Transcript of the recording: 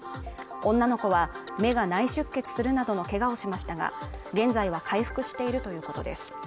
女の子は目が内出血するなどのけがをしましたが現在は回復しているということです